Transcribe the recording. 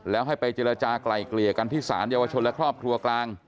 แล้วให้ไปเจรจากลายเกลี่ยกันที่สารเยาวชนและครอบครัวกลาง